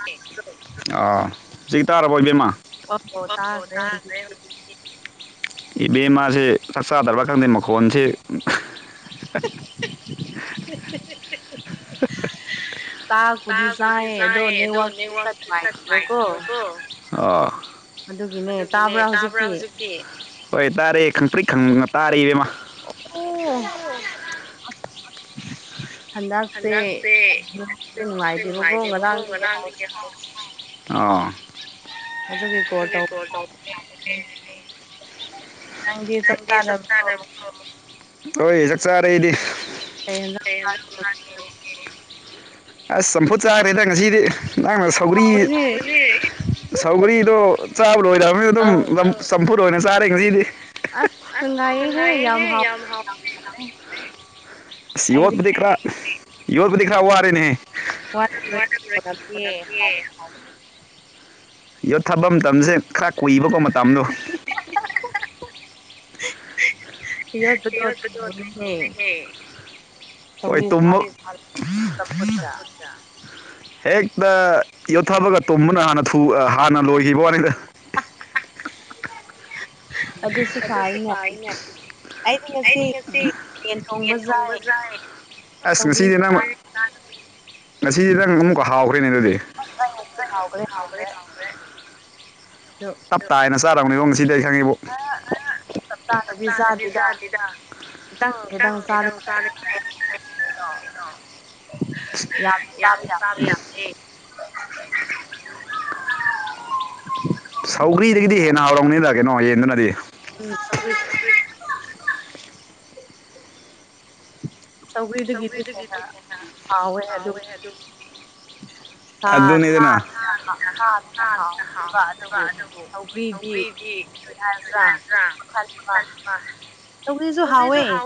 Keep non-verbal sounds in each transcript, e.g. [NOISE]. [UNINTELLIGIBLE] ꯑꯣ ꯖꯤꯛ ꯇꯥꯔꯕꯣ ꯏꯕꯦꯝꯃ ꯑꯣ ꯑꯣ ꯇꯥꯈ꯭ꯔꯦ ꯍꯧ ꯖꯤꯛꯇꯤ ꯏꯕꯦꯝ ꯃꯥꯁꯦ ꯆꯥꯛ ꯆꯥꯗꯕ꯭ꯔ ꯈꯪꯗꯦ ꯃꯈꯣꯟꯁꯤ [UNINTELLIGIBLE] [UNINTELLIGIBLE] ꯆꯥꯛꯄꯨꯗꯤ ꯆꯥꯏꯌꯦ ꯑꯗꯣ ꯅꯦꯠꯋꯥꯛ ꯁꯦ ꯈꯔ ꯅꯨꯡꯉꯥꯏꯇꯦꯕ ꯀꯣ ꯑꯣ ꯑꯗꯨꯒꯤꯅꯦ ꯇꯥꯕ꯭ꯔ ꯍꯧꯖꯤꯛꯇꯤ ꯍꯣꯏ ꯇꯥꯔꯦ ꯈꯪꯇ꯭ꯔꯤꯛ ꯈꯪꯗꯅ ꯇꯥꯔꯦ ꯏꯕꯦꯝꯃ ꯑꯣ [UNINTELLIGIBLE] ꯍꯟꯗꯛꯁꯦ [UNINTELLIGIBLE] ꯅꯨꯡꯉꯥꯏꯇꯦꯕꯀꯣ ꯉꯔꯥꯡꯗꯒꯤ [UNINTELLIGIBLE] ꯑꯣ ꯑꯗꯨꯒꯤ ꯀꫭꯜ ꯇꯧꯕ ꯌꯥꯗ꯭ꯔꯦ ꯑꯩ ꯅꯪꯗꯤ ꯆꯥꯛ ꯆꯥꯔꯕ꯭ꯔꫭ ꯍꫭꯏ ꯆꯥꯛ ꯆꯥꯔꯦ ꯑꯩꯗꯤ ꯀꯩ ꯑꯦꯟꯁꯥꯡ [INAUDIBLE] ꯑꯁ ꯆꯝꯐꯨꯠ ꯆꯥꯈ꯭ꯔꯦꯗ ꯉꯁꯤꯗꯤ ꯅꯪꯅ ꯁꯧꯒ꯭ꯔꯤ ꯍꯥꯎꯕꯅꯦ ꯁꯧꯒꯔꯤꯗꯣ ꯆꯥꯕ ꯂꯣꯏꯔꯕꯅꯤ ꯑꯗꯨꯝ ꯆꯝꯐꯨꯠ ꯑꯣꯏꯅ ꯆꯥꯔꯦ ꯉꯁꯤꯗꯤ ꯑꯁ ꯅꯨꯡꯉꯥꯏꯔꯦꯍꯦ ꯌꯥꯝ ꯍꯥꯎꯕꯅꯤꯅ ꯑꯁ ꯌꯣꯠꯄꯗꯤ ꯈꯥꯔ ꯌꯣꯠꯄꯗꯤ ꯈꯥꯔ ꯋꯥꯔꯦꯅꯦꯍꯦ [INAUDIBLE] ꯌꯣꯠ ꯊꯥꯕ ꯃꯇꯝꯁꯦ ꯈꯥꯔ ꯀꯨꯏꯕꯀꯣ ꯃꯇꯝꯗꯣ ꯌꯣꯠꯄꯗꯣ ꯊꯨꯗꫭꯏꯅꯦ ꯍꯣꯏ ꯇꯨꯝꯕ [INAUDIBLE] ꯍꯦꯛꯇ ꯌꯣꯠꯊꯕꯒ ꯇꯨꯝꯕꯅ ꯍꯥꯟꯅ ꯑ ꯍꯥꯟꯅ ꯂꯣꯏꯈꯤꯕ ꯋꯥꯅꯤꯗ ꯑꯗꯨꯁꯨ ꯐꯥꯏꯅꯦ ꯑꯩꯗꯤ ꯉꯁꯤ ꯌꯦꯟ ꯊꯣꯡꯕ ꯆꯥꯏ ꯑꯁ ꯉꯁꯤꯗꯤ ꯅꯪ ꯉꯁꯤꯗꯤ ꯅꯪ ꯑꯃꯨꯛꯀ ꯍꯥꯎꯈ꯭ꯔꯦꯅꯦ ꯑꯗꯨꯗꯤ ꯑꯁ ꯑꯩ ꯉꯁꯤ ꯍꯥꯎꯈ꯭ꯔꯦ ꯍꯥꯎꯈ꯭ꯔꯦ ꯍꯥꯎꯈ꯭ꯔꯦ ꯑꯗꯣ ꯇꯞ ꯇꯥꯏꯅ ꯆꯥꯔꯝꯒꯅꯤ ꯉꯁꯤꯗꯤ ꯑꯩ ꯈꯪꯉꯤꯕꯣ ꯇꯞꯇꯥꯥꯅꯗꯤ ꯆꯥꯗꯦꯗ ꯈꯤꯇꯪ ꯈꯤꯇꯪ [UNINTELLIGIBLE] ꯌꯥꯝꯅ ꯆꯥꯕ ꯌꯥꯗꯦ ꯁꯧꯒ꯭ꯔꯤꯗꯒꯤꯗꯤ ꯍꯦꯟꯅ ꯍꯥꯎꯔꯝꯅꯤꯗ ꯀꯩꯅꯣ ꯌꯦꯟꯗꯨꯅꯗꯤ ꯎꯝ ꯁꯧꯒ꯭ꯔꯤ ꯁꯧꯒ꯭ꯔꯤꯗꯒꯤꯗꯤ ꯍꯦꯟꯅ ꯍꯥꯋꯦ ꯑꯗꯨꯝ ꯁꯥ ꯁꯥꯅꯤꯅ ꯁꯥꯅꯤꯅ ꯍꯥꯎꯋꯦꯕ ꯑꯗꯨꯕꯨ ꯁꯧꯒ꯭ꯔꯤꯗꯤ [UNINTELLIGIBLE] [INAUDIBLE] ꯁꯤꯁꯨ ꯍꯥꯎꯋꯦ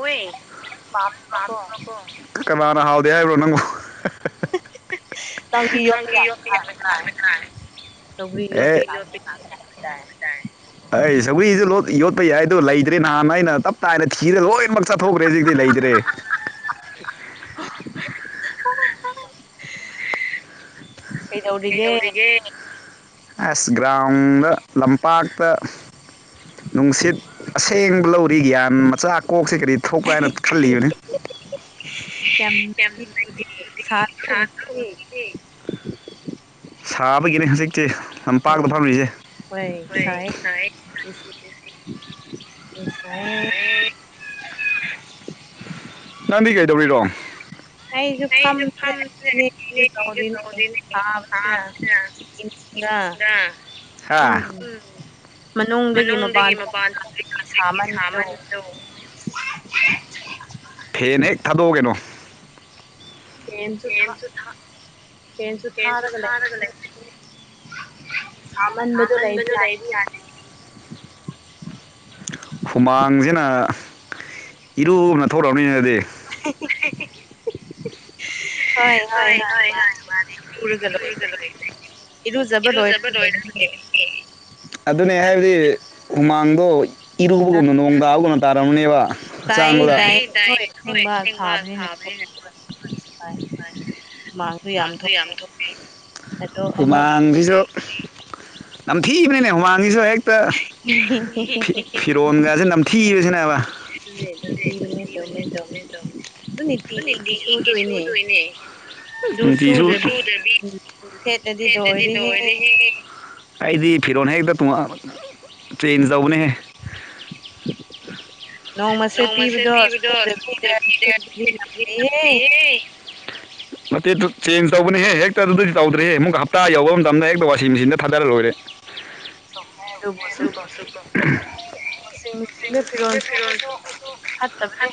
ꯀꯅꯥꯅ ꯍꯥꯎꯗꯦ ꯍꯥꯏꯕ꯭ꯔꯣ ꯅꯪꯕꯨ ꯅꯪꯗꯤ ꯌꫭꯠꯄ ꯌꯥꯗꯦ ꯍꯥꯏꯕꯗꯥꯏ ꯑꯦ [UNINTELLIGIBLE] ꯑꯩ ꯁꯪꯒ꯭ꯔꯤꯁꯨ ꯂꫭꯠ ꯌꯣꯠꯄ ꯌꯥꯏ ꯑꯗꯣ ꯂꯩꯇ꯭ꯔꯦ ꯅꯍꯥꯟ ꯑꯩꯅ ꯇꯞ ꯇꯥꯏꯅ ꯊꯤꯔꯒ ꯂꯣꯏ ꯅꯃꯛ ꯆꯥꯊꯣꯛꯈ꯭ꯔꯦ ꯍꯧꯖꯤꯛꯇꯤ ꯂꯩꯇ꯭ꯔꯦ [INAUDIBLE] ꯀꯩꯗꯧꯔꯤꯒꯦ ꯑꯁ ꯒ꯭ꯔꯥꯎꯟꯗ ꯂꯝꯄꯥꯛꯇ ꯅꯨꯡꯁꯤꯠ ꯑꯁꯦꯡꯕ ꯂꯧꯔꯤ ꯌꯥꯝ ꯃꯆꯥ ꯀꯣꯛꯁꯦ ꯀꯔꯤ ꯊꯣꯛꯄ꯭ꯔꯥ ꯍꯥꯏꯅ ꯈꯜꯂꯤꯕꯅꯦ ꯌꯥꯝ ꯅꯨꯉꯥꯥꯅꯦ ꯗꯨꯗꯤ ꯁꯥꯔ ꯑꫭꯜ ꯁꯥꯕꯒꯤꯅꯦ ꯍꯧꯖꯤꯛꯇꯤ ꯂꯝꯄꯥꯛꯇ ꯐꯝꯃꯤꯁꯦ ꯍꯣꯏ ꯁꯥꯏ ꯉꯥꯁꯤ [INAUDIBLE] ꯌꯥꯝꯁꯥꯏ ꯅꯪꯗꯤ ꯀꯩꯗꯧꯔꯤꯔꯣ ꯑꯩꯁꯨ ꯐꯝꯕꯁꯦ ꯂꯦꯞꯄꯤꯒꯦ ꯇꯧꯔꯤꯅꯦ ꯁꯥꯕꯁꯤꯗ ꯗꯥ ꯍꯥꯥ ꯃꯅꯨꯡꯗꯒꯤ ꯃꯥꯄꯥꯟ ꯊꯣꯛꯄꯗꯒꯤ ꯁꯥꯃꯟꯗꯣ ꯐꯦꯟ ꯍꯦꯛ ꯊꯥꯗꯣꯛꯑꯣ ꯀꯩꯅꯣ ꯐꯦꯟꯁꯨ ꯊꯥ ꯐꯦꯟꯁꯨ ꯊꯥꯔꯒ ꯂꯩꯕꯅꯦ ꯁꯥꯃꯟꯕꯗꯣ ꯂꯩꯏꯕ ꯌꯥꯗꯦ ꯍꯨꯃꯥꯡꯁꯤꯅ ꯏꯔꯨꯒꯨꯝꯅ ꯊꯣꯛꯂꯕꯅꯤꯅꯦ ꯑꯩꯗꯤ [UNINTELLIGIBLE] ꯍꯣꯏ ꯍꯣꯏ ꯍꯣꯏ [INAUDIBLE] ꯏꯔꯨꯖꯕ ꯂꯣꯏꯔ [INAUDIBLE] ꯑꯗꯨꯅꯦ ꯍꯥꯏꯕꯗꯤ ꯍꯨꯃꯥꯡꯗꯣ ꯏꯔꯨꯕꯒꯨꯝꯅ ꯅꯣꯡ ꯇꯥꯕꯒꯨꯝꯅ ꯇꯥꯔꯝꯅꯤꯕ ꯍꯛꯆꯥꯡꯗ ꯇꯥꯌꯦ ꯇꯥꯌꯦ ꯍꯣꯏ ꯑꯁꯦꯡꯕ ꯁꯥꯕꯅꯤꯅ [INAUDIBLE] ꯍꯨꯃꯥꯡꯁꯨ ꯌꯥꯝ ꯊꯣꯛꯑꯦ ꯍꯨꯃꯥꯡꯁꯤꯁꯨ ꯅꯝꯊꯤꯕꯅꯦ ꯍꯨꯃꯥꯡ ꯁꯤꯁꯨ ꯍꯦꯛ ꯍꯛꯇ ꯐꯤꯔꯣꯟꯒꯁꯤ ꯅꯝꯊꯤꯕꯁꯤꯅꯥꯕ ꯑꯗꯨꯅꯦ ꯅꯝꯊꯤꯕꯅꯦ ꯆꯨꯝꯃꯦ ꯆꯨꯝꯃꯦ ꯑꯗꯣ ꯅꯨꯡꯇꯤꯒꯤ ꯐꯤ ꯁꯨꯗꯣꯏꯅꯦ ꯅꯨꯡꯇꯤꯒꯤ ꯁꯨ ꯁꯨꯗꯕꯤ ꯁꯦꯠꯂꯗꯤ ꯂꫭꯏꯔꯦꯍꯦ ꯑꯩꯗꯤ ꯐꯤꯔꯣꯟ ꯍꯦꯛꯇ ꯇꫭꯡꯉꯥꯟ ꯇ꯭ꯔꯦꯟ ꯌꯥꯎꯅꯦꯍꯦ ꯅꯣꯡꯃꯁꯦ ꯄꯤꯕꯗꯣ [UNINTELLIGIBLE] ꯃꯇꯦꯠꯇꯨ ꯆꯦꯟꯖ ꯇꯧꯕꯅꯦꯍꯦ ꯍꯦꯛꯇ ꯅꯠꯇꯦꯗꯨ ꯑꯗꯨꯗꯗꯤ ꯆꯦꯟꯖ ꯇꯧꯕꯅꯦꯍꯦ ꯍꯦꯛꯇ ꯇꯧꯗ꯭ꯔꯦꯍꯦ ꯑꯃꯨꯛ ꯍꯞꯇꯥ ꯌꯧꯕ ꯃꯇꯝꯗ ꯍꯦꯛꯇ ꯋꯥꯁꯤꯡ ꯃꯦꯆꯤꯟꯗ ꯊꯥꯗꯔ ꯂꯣꯏꯔꯦ [UNINTELLIGIBLE] ꯆꯨꯝꯃꯦ ꯗꯨꯕꯨꯁꯨ ꯀꯣ ꯋꯥꯁꯤꯡ ꯃꯦꯁꯤꯟꯗ ꯐꯤꯔꯣꯜ ꯁꯨꯕꯁꯨ ꯐꯠꯇꯕꯅꯦ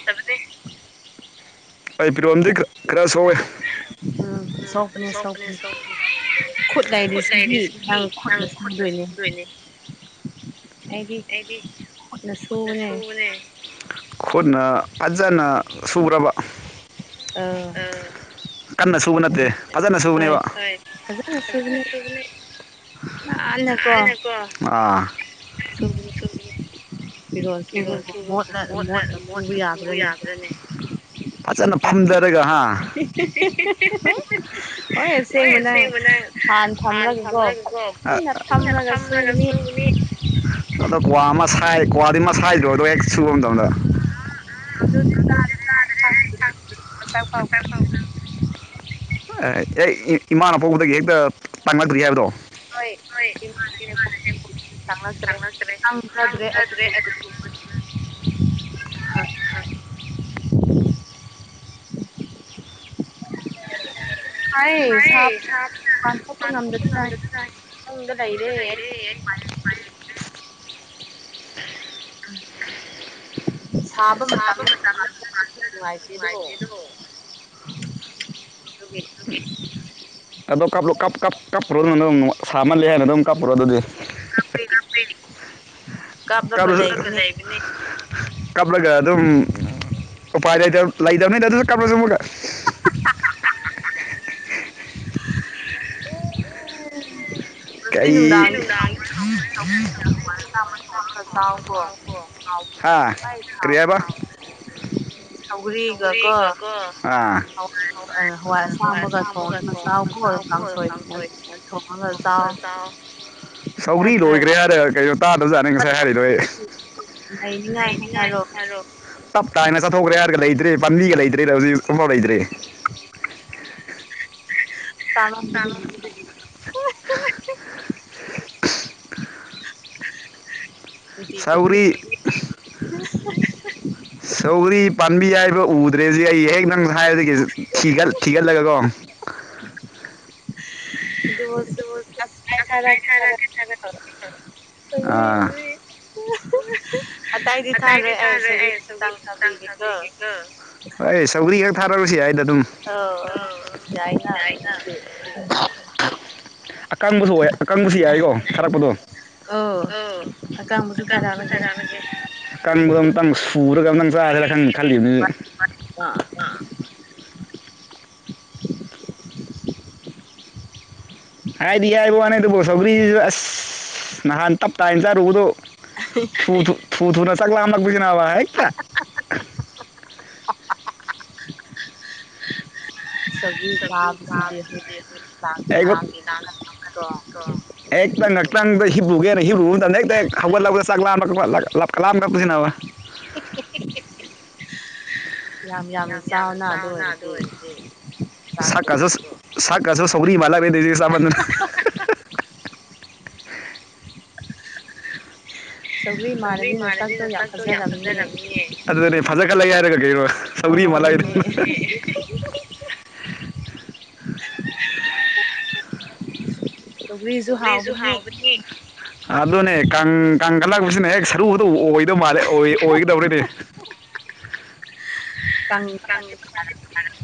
ꯑꯩ ꯐꯤꯔꯣꯟꯗꯤ ꯈꯔ ꯁꯨꯏ ꯑꯦ ꯎꯝ ꯁꯣꯛꯄꯥꯅꯦ ꯁꯣꯛꯄꯥꯅꯦ ꯈꯨꯠ ꯂꯩꯔꯤꯁꯤꯗꯤ ꯅꯪ ꯈꯨꯠꯅ ꯁꯨꯗꯣꯏꯅꯦ ꯑꯩꯗꯤ ꯈꯨꯠꯅ ꯁꯨꯕꯅꯦ ꯈꯨꯠꯅ ꯐꯖꯅ ꯁꯨꯔꯕ ꯑꯥ ꯀꯟꯅ ꯁꯨꯕ ꯅꯠꯇꯦ ꯐꯖꯅ ꯁꯨꯕꯅꯦꯕ ꯅꯥꯟꯅꯀꯣ ꯑꯥ [UNINTELLIGIBLE] ꯐꯤꯔꯣꯜ ꯁꯨꯕꯕꯨ ꯃꯣꯠꯂ ꯃꯣꯠꯅ ꯁꯨꯕ ꯌꯥꯕ꯭ꯔꯅꯦ ꯐꯖꯅ ꯐꯝꯙꯔꯒ ꯍꯥ ꯍꯣꯏ ꯑꯁꯦꯡꯕ ꯅꯪ ꯐꯥꯟ ꯊꯝꯔꯒꯀꯣ [UNINTELLIGIBLE] ꯐꯝꯔꯒ ꯁꯨꯒ ꯑꯗꯣ ꯀ꯭ꯋꯥ ꯑꯃ ꯁꯥꯏ ꯀ꯭ꯋꯥꯗꯤ ꯃꯁꯥꯏꯗ꯭ꯔꯣ ꯑꯗꯨ ꯍꯦꯛ ꯁꯨꯕ ꯃꯇꯝꯗ ꯑ ꯑꯗꯨꯗꯤ ꯆꯥꯗꯔꯦ ꯑꯩ ꯃꯁꯛꯐꯥꯎ ꯈꯪ ꯑꯦ ꯍꯦꯛ ꯏꯃꯥꯅ ꯄꯣꯛꯄꯗꯒꯤ ꯍꯦꯛꯇ ꯇꯥꯡꯂꯛꯇ꯭ꯔꯤ ꯍꯥꯏꯕꯗꯣ ꯍꫭꯏ ꯏꯃꯥꯅꯍꯦꯛ ꯄꫭꯛꯄꯤꯕꯗꯒꯤ [UNINTELLIGIBLE] ꯍꯥꯏ [UNINTELLIGIBLE] [UNINTELLIGIBLE] ꯂꯩꯔꯦ [UNINTELLIGIBLE] [UNINTELLIGIBLE] ꯁꯥꯕ ꯃꯇꯝꯗ ꯄꯥꯟꯖꯔꯁꯨ ꯅꯨꯡꯉꯥꯏꯇꯦꯗꯣ [UNINTELLIGIBLE] [UNINTELLIGIBLE] ꯑꯗꯣ ꯀꯞꯂꯣ ꯀꯞ ꯀꯞ ꯀꯞꯄ꯭ꯔꯣ [UNINTELLIGIBLE] ꯁꯥꯃꯜꯂꯦ ꯍꯥꯏꯔ ꯑꯗꯨꯝ ꯀꯥꯞꯄꯨꯔꯣ ꯑꯗꯨꯗꯤ [UNINTELLIGIBLE] ꯀꯞꯄꯦ ꯀꯞꯂꯁꯨ [UNINTELLIGIBLE] ꯀꯞꯂꯒ ꯑꯗꯨꯝ ꯎꯄꯥꯏ ꯂꯩꯇ ꯂꯩꯇꯝꯅꯤꯗ ꯑꯗꯨꯁꯨ ꯀꯞꯂꯁꯨ ꯑꯃꯨꯛꯀ [UNINTELLIGIBLE] ꯀꯩ [UNINTELLIGIBLE] ꯅꯨꯡꯗꯥꯡ [UNINTELLIGIBLE] [UNINTELLIGIBLE] ꯑꯆꯝꯕ ꯊꯣꯡꯉꯒꯥ ꯆꯥꯎꯀꯣ ꯍꯥꯎꯕꯅꯦ ꯚꯥꯔꯤꯗ ꯍꯥꯎꯕꯅꯦ ꯁꯧꯒ꯭ꯔꯤꯒ ꯀꯣ ꯑꯥ ꯍꯋꯥꯢ ꯑ ꯍꯋꯥꯏ ꯑꯁꯥꯡꯕꯒ ꯊꯣꯡꯉꯒ ꯆꯥꯎꯀꯣ ꯀꯥꯡꯁꯣꯏ [UNINTELLIGIBLE] ꯊꯣꯡꯉꯒ ꯆꯥꯎ ꯁꯧꯒ꯭ꯔꯤ ꯂꯣꯏꯒ꯭ꯔꯦ ꯍꯥꯏꯔ ꯀꯩꯅꯣ ꯇꯥꯗꯕꯖꯥꯠꯅꯤ ꯉꯁꯥꯏ ꯍꯥꯏꯔꯤꯗꯣ ꯑꯩ [UNINTELLIGIBLE] ꯍꯩꯅꯤꯡꯉꯥꯏ ꯁꯔꯨꯛ ꯇꯞꯇꯥꯢꯅ ꯆꯥꯊꯣꯛꯈ꯭ꯔꯦ ꯍꯥꯏꯔꯒ ꯂꯩꯇ꯭ꯔꯦ ꯄꯥꯝꯕꯤꯒ ꯂꯩꯇ꯭ꯔꯦꯗ ꯍꯧꯖꯤꯛ ꯑꯝꯕꯧ ꯂꯩꯇ꯭ꯔꯦ ꯆꯥꯃꯟꯕꯗꯨꯒꯤ [UNINTELLIGIBLE] [UNINTELLIGIBLE] ꯁꯧꯒ꯭ꯔꯤ [UNINTELLIGIBLE] ꯁꯧꯒ꯭ꯔꯤ ꯄꯥꯝꯕꯤ ꯍꯥꯏꯕ ꯎꯗ꯭ꯔꯦꯁꯤ ꯑꯩ ꯑꯩ ꯅꯪ ꯍꯥꯏꯕꯗꯒꯤ ꯊꯤꯒꯠ ꯊꯤꯒꯠꯂꯒꯀꯣ [UNINTELLIGIBLE] ꯑꯗꯨꯑꯣꯢꯁꯨ ꯑꯁ ꯑꯩ ꯊꯥꯔꯛꯀꯦ ꯊꯥꯔꯛꯀꯦ [UNINTELLIGIBLE] ꯁꯧꯒ꯭ꯔꯤ [UNINTELLIGIBLE] ꯑꯇꯩꯗꯤ ꯊꯥꯔꯣꯏ ꯑꯩ ꯁꯧꯒ꯭ꯔꯤ ꯈꯛꯇꯪ ꯊꯥꯕꯤꯒꯦꯀꯣ ꯀꯣ ꯍꯣꯏ ꯁꯧꯒ꯭ꯔꯤ ꯈꯛ ꯊꯥꯔꯛꯎꯁꯦ ꯌꯥꯢꯗ ꯑꯗꯨꯝ ꯑꯣ ꯌꯥꯥꯏꯅ ꯑꯗꯨ ꯑꯀꯪꯕꯁꯨ ꯑꯣꯏ ꯑꯀꯪꯕꯁꯨ ꯌꯥꯏꯀꯣ ꯊꯥꯔꯛꯄꯗꯣ ꯑꯧ ꯑꯀꯪꯕꯁꯨ ꯊꯥꯔꯛꯂꯒꯦ ꯀꯪꯕꯗꯣ ꯑꯝꯇꯪ ꯁꯨꯔꯒ ꯑꯝꯇꯪ ꯆꯥꯁꯤꯔ ꯈꯟ ꯈꯜꯂꯤꯃꯤꯅꯦ ꯑꯥ [UNINTELLIGIBLE] ꯍꯥꯏꯗꯤ ꯍꯥꯏꯕ ꯋꯥꯅꯦ ꯑꯗꯨꯕꯨ ꯁꯧꯒ꯭ꯔꯤꯁꯤꯁꯨ ꯑꯁ ꯅꯍꯥꯟ ꯇꯞ ꯇꯥꯏꯅ ꯆꯥꯔꯨꯕꯗꯣ [UNINTELLIGIBLE] ꯊꯨ ꯊꯨ ꯊꯨ ꯊꯨꯅ ꯆꯥꯛ ꯂꯥꯝꯂꯛꯄꯁꯤꯅꯕ ꯍꯦꯛꯇ [UNINTELLIGIBLE] ꯁꯧꯒ꯭ꯔꯤ ꯆꯥꯕꯁꯤꯗꯤ [UNINTELLIGIBLE] ꯀꯣ ꯍꯦꯛꯇ ꯉꯥꯛꯇꯪꯗ ꯍꯤꯞꯔꯨꯒꯦꯅ ꯍꯤꯞꯔꯨꯕ ꯃꯇꯝꯗ ꯍꯦꯛꯇ ꯍꯦꯛ ꯍꯧꯒꯠꯂꯛꯄꯗ ꯆꯥꯛ ꯂꯥꯝꯕ [UNINTELLIGIBLE] ꯂꯥꯝꯂꯛꯄꯁꯤꯅꯕ [UNINTELLIGIBLE] ꯌꯥꯝ ꯌꯥꯝꯅ ꯆꯥꯎꯅ ꯑꯗꯨ ꯑꯣꯏꯔꯗꯤ ꯆꯥꯛꯇꯣ ꯁꯥꯛꯀꯁꯨ ꯁꯧꯒ꯭ꯔꯤ ꯃꯂꯛꯔꯦꯅꯦ ꯁꯤ ꯆꯥꯃꯟꯗꯅ [UNINTELLIGIBLE] [INAUDIBLE] ꯁꯧꯒ꯭ꯔꯤ ꯃꯥꯜꯂꯗꯤ ꯅꯁꯛꯇꯣ ꯌꯥꯝ ꯐꯖꯔꯝꯅꯤꯌꯦ ꯑꯗꯨꯅꯦ ꯐꯖ ꯈꯠꯂꯛꯏ ꯍꯥꯏꯔꯒ ꯀꯩꯅꯣ ꯁꯧꯒ꯭ꯔꯤ ꯃꯂꯑꯦꯗ ꯑꯣ ꯑꯗꯨꯅꯦ [UNINTELLIGIBLE] [INAUDIBLE] [UNINTELLIGIBLE] ꯁꯧꯒ꯭ꯔꯤꯖꯨ ꯍꯥꯎꯕꯅꯤ ꯑꯗꯨꯅꯦ ꯀꯪ ꯀꯪꯈꯠꯂꯛꯄꯁꯤꯅ ꯍꯦꯛ ꯁꯔꯨꯗꯣ ꯑꯣꯏꯗꯧ ꯃꯥꯜꯂꯦ ꯑꯣꯢ ꯑꯣꯏꯒꯗꯧꯔꯦꯅꯦ [UNINTELLIGIBLE] ꯀꯪꯕ ꯒꯁꯦ [UNINTELLIGIBLE]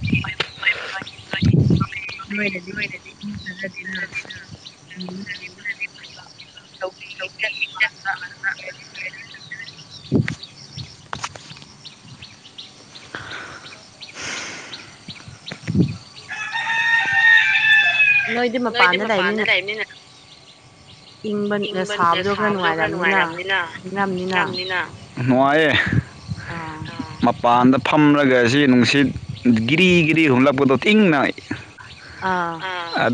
[UNINTELLIGIBLE] ꯅꯣꯢꯅꯗꯤ [UNINTELLIGIBLE] ꯁꯧꯒ꯭ꯔꯤ ꯆꯠ ꯃꯟꯕ꯭ꯔ [UNINTELLIGIBLE] [INAUDIBLE] ꯅꯣꯏꯗꯤ ꯃꯄꯥꯟꯗ ꯂꯩꯝꯅꯤꯅ ꯏꯪꯕꯅꯦ ꯁꯥꯕꯗꯣ ꯈꯔ ꯅꯨꯡꯉꯥꯏꯔꯝꯅꯤꯅ ꯏꯡꯉꯝꯅꯤꯅ ꯅꯨꯡꯉꯥꯏꯌꯦ ꯑꯥꯝ ꯃꯄꯥꯟꯗ ꯐꯝꯔꯒ ꯁꯤ ꯅꯨꯡꯁꯤꯠ ꯒꯤꯔꯤ ꯒꯤꯔꯤ ꯍꯨꯝꯂꯛꯄꯗꯣ ꯏꯡꯅ ꯑꯥ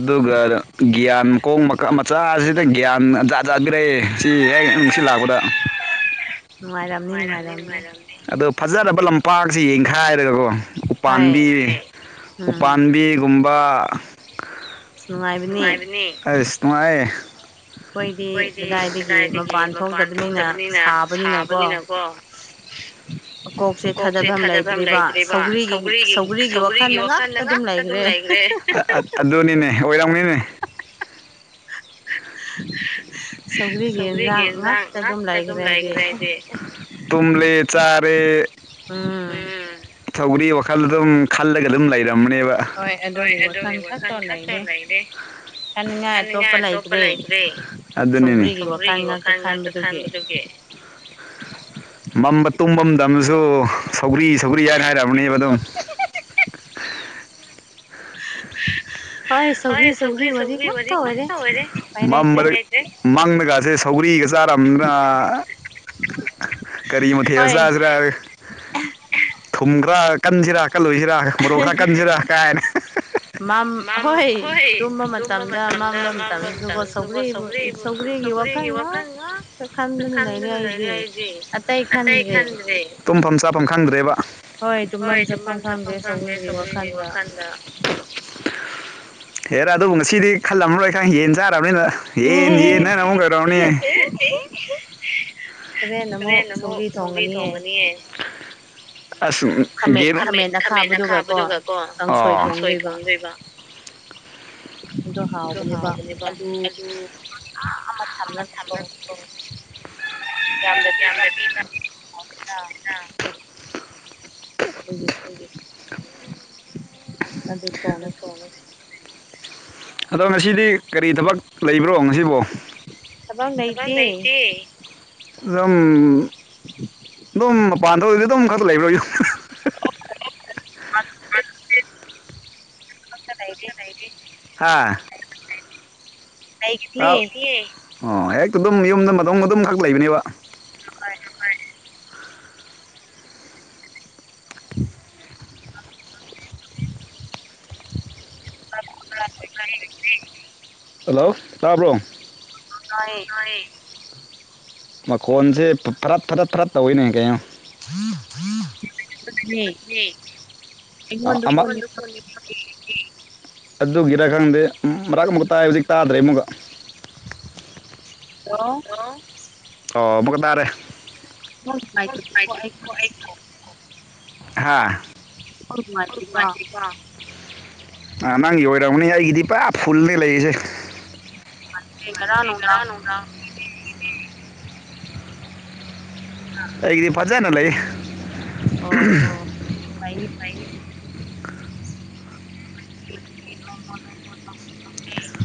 ꯑꯗꯨꯒ ꯒ꯭ꯌꯥꯟ ꯀꯣꯛ ꯃꯀꯛ ꯃꯆꯥꯖꯤꯗ ꯒ꯭ꯌꯥꯟ ꯖꯥꯠ ꯖꯥꯠꯒ꯭ꯔꯦ ꯁꯤ ꯌꯦ ꯅꯨꯡꯁꯤꯠ ꯂꯥꯛꯄꯗ ꯅꯨꯉꯥꯢꯔꯝꯅꯤ ꯅꯨꯉꯥꯢꯔꯝꯅꯤ ꯑꯗꯣ ꯐꯖꯔꯕ ꯂꯝꯄꯥꯛꯁꯤ ꯌꯦꯡꯈꯥꯏꯔꯒꯀꯣ ꯎꯄꯥꯟꯕꯤ ꯎꯄꯥꯟꯕꯤꯒꯨꯝꯕ ꯅꯨꯉꯥꯢꯕꯅꯦ ꯑꯖꯁ ꯅꯨꯉꯥꯢꯌꯦ ꯈꯣꯏꯗꯤ ꯀꯗꯥꯏꯗꯒꯤ ꯃꯄꯥꯟ ꯊꯣꯛꯗꯕꯅꯤꯅ ꯁꯥꯕꯅꯤꯅꯀꯣ [INAUDIBLE] ꯀꯣꯛꯁꯦ ꯊꯥꯗꯕꯝ ꯂꯩꯇ꯭ꯔꯤꯕ ꯁꯧꯒ꯭ꯔꯤꯒꯤ ꯁꯧꯒ꯭ꯔꯤꯒꯤ ꯋꯥꯈꯟꯗ ꯉꯥꯛꯇ ꯑꯗꯨꯝ ꯂꯩ ꯔꯦ ꯑꯥ ꯑꯥ ꯑꯗꯨꯅꯤꯅꯦ ꯑꯣꯏꯔꯝꯒꯤꯅꯤ ꯁꯧꯒ꯭ꯔꯤꯒꯤ ꯑꯦꯟꯖꯥꯡ ꯉꯥꯛꯇ ꯗꯨꯝ ꯂꯩꯒ꯭ꯔꯦ ꯑꯩꯗꯤ ꯇꯨꯝꯂꯦ ꯆꯔꯦ ꯎꯝ ꯁꯧꯒ꯭ꯔꯤ ꯋꯥꯈꯜꯗ ꯗꯨꯝ ꯈꯜꯂꯒ ꯑꯗꯨꯝ ꯂꯩꯔꯝꯃꯅꯦꯕ ꯍꯣꯏ ꯑꯗꯨꯒꯤ ꯋꯥꯈꯟ ꯈꯠꯇ ꯂꯩꯔꯦ ꯈꯟꯅꯤꯉꯥꯢ ꯄ ꯂꯩꯈꯤꯗ꯭ꯔꯦ ꯑꯗꯨꯅꯦꯃꯤ ꯁꯧꯒ꯭ꯔꯤꯒꯤ ꯋꯥꯈꯟ ꯉꯥꯛꯇ ꯈꯟꯕꯗꯨꯒꯤ ꯃꯝꯕ ꯇꯨꯝꯃꯝꯗꯝꯁꯨ ꯁꯧꯒ꯭ꯔꯤ ꯁꯧꯒ꯭ꯔꯤ ꯍꯥꯏꯅ ꯍꯥꯏꯔꯛꯑꯃꯅꯦꯕ ꯑꯗꯨꯝ ꯍꯣꯢ ꯁꯧꯒ꯭ꯔꯤ ꯁꯧꯒ꯭ꯔꯤ ꯋꯥꯔꯤ ꯉꯥꯛꯇ ꯑꯣꯢꯔꯦ ꯃꯝꯕꯗꯩ ꯃꯪꯗꯒꯥꯖꯦ ꯁꯧꯒ꯭ꯔꯤꯒ ꯆꯥꯛ ꯇꯝꯕ꯭ꯔꯥ ꯀꯔꯤ ꯃꯊꯦꯜ ꯆꯥꯖꯤꯔꯥ ꯊꯨꯝ ꯈꯔꯥ ꯀꯟꯖꯤꯔꯥ ꯀꯜꯂꯣꯢꯖꯤꯔ ꯃꯣꯔꯣꯛ ꯈꯔꯥ ꯀꯟꯖꯤꯔꯥ ꯀꯥꯏꯅ ꯃꯝ ꯍꯣꯏ ꯇꯨꯝꯕ ꯃꯇꯝꯗ ꯃꯝꯕ ꯃꯇꯝꯗꯁꯨꯀꯣ ꯁꯧꯒ꯭ꯔꯤ ꯁꯧꯒ꯭ꯔꯤꯒꯤ ꯋꯥꯈꯟ ꯉꯥꯛꯇ ꯈꯟꯗꯨꯅ ꯂꯩꯔꯦ ꯑꯩꯗꯤ ꯑꯇꯩ ꯈꯟꯗ꯭ꯔꯦ ꯇꯨꯝꯐꯝ ꯆꯥꯐꯝ ꯈꯪꯗ꯭ꯔꯦꯕ ꯍꯣꯏ ꯇꯨꯝꯕꯝ ꯆꯥꯐꯝ ꯈꯪꯗꯦ ꯁꯧꯒ꯭ꯔꯤꯒꯤ ꯋꯥꯈꯟ ꯗ ꯍꯦꯔ ꯑꯗꯨꯕꯨ ꯉꯁꯤꯗꯤ ꯈꯜꯂꯝꯃꯔꯣꯏ ꯈꯪꯏ ꯌꯦꯟ ꯆꯥꯔꯕꯅꯤꯅ ꯌꯦꯟ ꯌꯦꯟ ꯍꯥꯢꯅ ꯑꯃꯨꯛ ꯂꯩꯔꯝꯃꯅꯤ ꯑꯦ ꯍꯦ ꯍꯣꯔꯦꯟ ꯑꯃꯨꯛ ꯁꯧꯒ꯭ꯔꯤ ꯊꯣꯡꯉꯅꯤꯌꯦ ꯑꯁ ꯈꯥꯃꯦ ꯈꯥꯃꯦꯟ ꯑꯈꯥꯕꯗꯨꯒ ꯀꯣ ꯑꯣ ꯀꯥꯡꯁꯣꯏ ꯊꯣꯡꯗꯣꯏꯕ ꯑꯗꯣ ꯍꯥꯎꯕꯅꯦꯕ ꯑꯂꯨ ꯑ ꯑꯃ ꯊꯝꯂꯛ ꯑꯣ ꯌꯥꯝꯅ ꯄꯤꯕ ꯍꯥꯎꯇꯦꯗ ꯑꯗꯨꯒꯤ ꯑꯗꯨ ꯊꯣꯡꯉꯦ ꯑꯗꯣ ꯉꯁꯤꯗꯤ ꯀꯔꯤ ꯊꯕꯛ ꯂꯩꯕ꯭ꯔꯣ ꯉꯁꯤꯕꯣ ꯊꯕꯛ ꯂꯩꯇꯦ ꯂꯝ [INAUDIBLE] ꯑꯗꯨꯝ ꯃꯄꯥꯟꯗ ꯑꯣꯏꯖꯨ ꯑꯗꯨꯝ ꯈꯛꯇ ꯂꯩꯕ꯭ꯔꯣ ꯌꯨꯝ [UNINTELLIGIBLE] ꯍꯥ ꯑꯥꯎ ꯍꯦꯛꯇ ꯌꯦ ꯑꯣ ꯍꯦꯛꯇꯗꯨꯝ ꯌꯨꯝꯗ ꯃꯗꯣꯝꯒꯗꯨꯝ ꯈꯛ ꯂꯩꯕꯅꯦꯕ ꯍꯣꯏ [INAUDIBLE] ꯍꯜꯂꯣ ꯇꯥꯕ꯭ꯔꯣ ꯃꯈꯣꯟꯁꯦ ꯐ ꯐꯔꯠ ꯐꯔꯠ ꯐꯔꯠ ꯇꯧꯋꯤꯅꯦ ꯀꯩꯅꯣ [UNINTELLIGIBLE] [UNINTELLIGIBLE] ꯑꯃ [UNINTELLIGIBLE] ꯑꯗꯨꯒꯤꯔ ꯈꯪꯗꯦ ꯃꯔꯥꯛ ꯑꯃꯨꯛꯀ ꯇꯥꯏ ꯍꯧꯖꯤꯛ ꯇꯥꯗ꯭ꯔꯦ ꯑꯃꯨꯛꯀ ꯍꯜꯂꯣ ꯑꯣ ꯑꯃꯨꯛꯀꯇꯥꯔꯦ [UNINTELLIGIBLE] ꯍꯥꯥ [UNINTELLIGIBLE] ꯑ ꯅꯪꯒꯤ ꯑꯣꯏꯔꯝꯒꯅꯤ ꯑꯩꯒꯤꯗꯤ ꯄꯨꯔꯥ ꯐꯨꯜꯅꯤ ꯂꯩꯔꯤꯁꯦ [UNINTELLIGIBLE] ꯉꯔꯥꯟ ꯅꯨꯡꯗꯥꯡ [INAUDIBLE] ꯑꯩꯒꯤꯗꯤ ꯐꯖꯅ ꯂꯩ [UNINTELLIGIBLE] [UNINTELLIGIBLE]